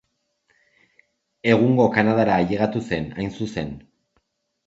Egungo Kanadara ailegatu zen, hain zuzen.